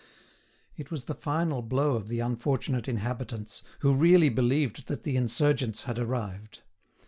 It was the final blow of the unfortunate inhabitants, who really believed that the insurgents had arrived.